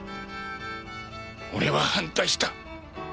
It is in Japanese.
俺は反対した。